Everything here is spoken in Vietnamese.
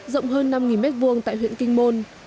rộng hơn năm m hai tại huyện kinh môn